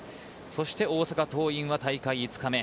そして大阪桐蔭は大会５日目。